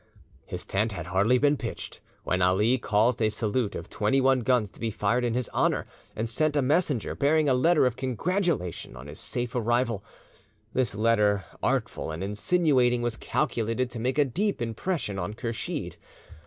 His tent had hardly been pitched, when Ali caused a salute of twenty one guns to be fired in his honour, and sent a messenger, bearing a letter of congratulation on his safe arrival. This letter, artful and insinuating, was calculated to make a deep impression on Kursheed.